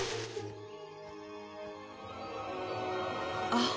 あ。